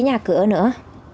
nhà cửa nữa